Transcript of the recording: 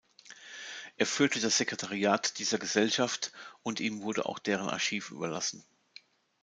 Er führte das Sekretariat dieser Gesellschaft und ihm wurde auch deren Archiv überlassen.